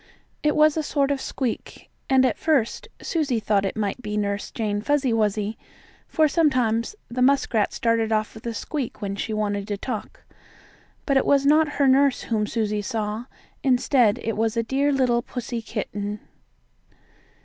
It was a sort of a squeak, and at first Susie thought it might be Nurse Jane Fuzzy Wuzzy, for, sometimes, the muskrat started off with a squeak when she wanted to talk. But it was not her nurse whom Susie saw. Instead it was a dear little pussy kitten.